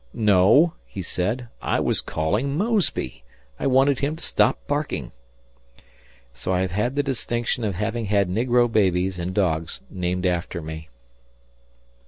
"No," he said, "I was calling Mosby. I wanted him to stop barking." So I have had the distinction of having had negro babies and dogs named after me.